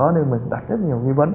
nên mình đặt rất nhiều tiền